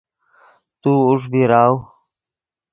تو اوݰ بیراؤ